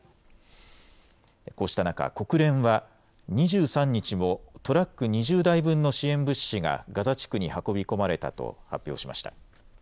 こうした中、国連は２３日もトラック２０台分の支援物資がガザ地区に運び込まれたと発表しました。